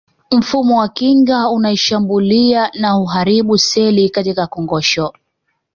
Mfumo wa kinga unashambulia na huharibu seli katika kongosho